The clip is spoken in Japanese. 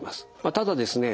ただですね